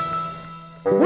pulang ke rumah